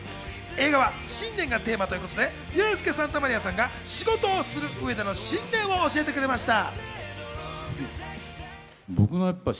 映画は信念がテーマということでユースケ・サンタマリアさんが仕事をする上での信念を教えてくれました。